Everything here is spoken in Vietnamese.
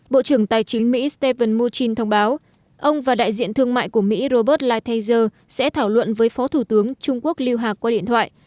bộ trưởng tài chính mỹ stephen murchin thông báo ông và đại diện thương mại của mỹ robert lighthizer sẽ thảo luận với phó thủ tướng trung quốc lưu hạc qua điện thoại